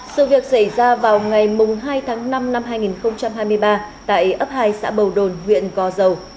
sự việc xảy ra vào ngày hai tháng năm năm hai nghìn hai mươi ba tại ấp hai xã bầu đồn huyện gò dầu